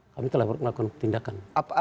kami telah melakukan pertindakan